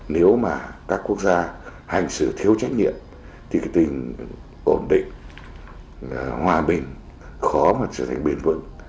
nếu mà các quốc gia hành xử thiếu trách nhiệm thì cái tình ổn định hòa bình khó mà trở thành bền vững